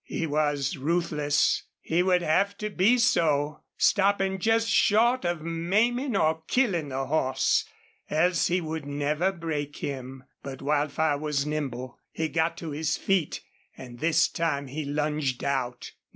He was ruthless. He would have to be so, stopping just short of maiming or killing the horse, else he would never break him. But Wildfire was nimble. He got to his feet and this time he lunged out.